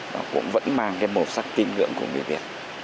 nó cũng vẫn mang cái màu sắc tin ngưỡng của người việt